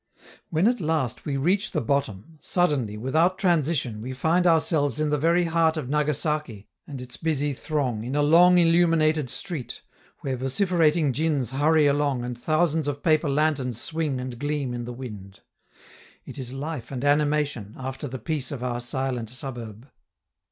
When at last we reach the bottom, suddenly, without transition, we find ourselves in the very heart of Nagasaki and its busy throng in a long illuminated street, where vociferating djins hurry along and thousands of paper lanterns swing and gleam in the wind. It is life and animation, after the peace of our silent suburb.